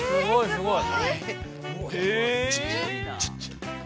すごい！